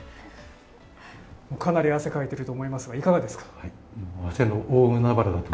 かなり汗かいてると思いますが、いかがですか？